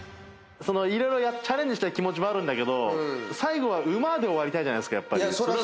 色々チャレンジしたい気持ちもあるんだけど最後はうまっ！で終わりたいじゃないですか。